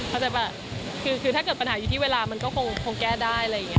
เข้าใจแบบคือถ้าเกิดปัญหาอยู่ที่เวลามันก็คงแก้ได้อะไรอย่างนี้